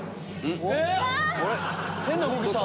えっ⁉変な動きした。